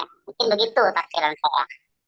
mungkin begitu takdiran saya